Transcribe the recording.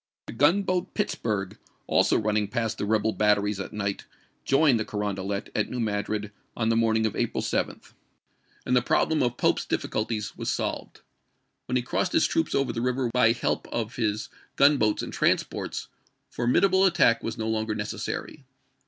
The gunboat Pittshurc/h, also running past the PEA EIDGE AND ISLAND NO. 10 299 rebel batteries at night, joined the Carondelet at ch. xvii. New Madrid on the morning of April 7, and the problem of Pope's difficulties was solved. When he crossed his troops over the river by help of his gunboats and transports, formidable attack was no to weues, longer necessary.